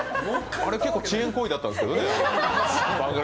あれ結構、遅延行為だったんですけどね。